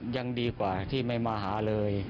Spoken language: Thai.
ยังดีกว่าที่ไม่มาหาเลย